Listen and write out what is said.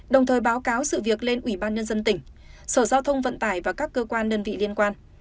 đồng thời báo cáo sự việc lên ubnd tỉnh sở giao thông vận tải và các cơ quan đơn vị liên quan